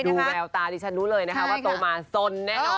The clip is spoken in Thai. แววตาดิฉันรู้เลยนะคะว่าโตมาสนแน่นอน